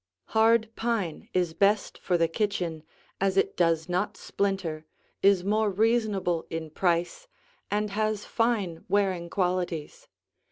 Hard pine is best for the kitchen, as it does not splinter, is more reasonable in price, and has fine wearing qualities.